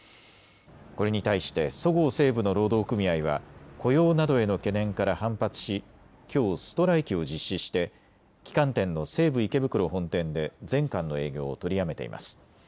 これに対して、そごう・西武の労働組合は雇用などへの懸念から反発し、きょうストライキを実施して、旗艦店の西武池袋本店で全館の営業を取りやめています。